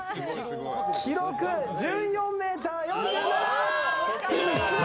記録、１４ｍ４７！